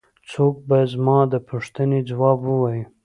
څوک به زما د پوښتنې ځواب ووايي.